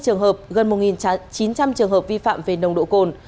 năm mươi trường hợp gần một chín trăm linh trường hợp vi phạm về nồng độ cồn